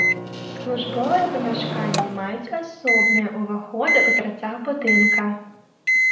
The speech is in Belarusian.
Службовыя памяшканні маюць асобныя ўваходы ў тарцах будынка.